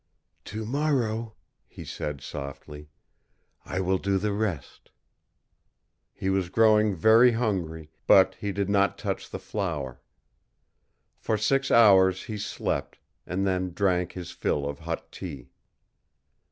"To morrow," he said softly, "I will do the rest." He was growing very hungry, but he did not touch the flour. For six hours he slept, and then drank his fill of hot tea.